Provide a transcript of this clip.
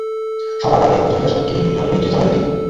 সবার বাবাই এভাবে চলে যায়, সবাইকে এভাবেই যেতে হয়, এটাই নিয়ম।